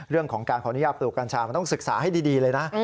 เรื่องของการขออนุญาตปลูกกัญชามันต้องศึกษาให้ดีเลยนะ